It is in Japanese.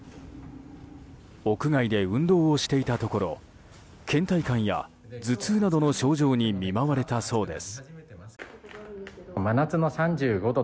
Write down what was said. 屋外で運動していたところ倦怠感や頭痛などの症状に見舞われたそうです。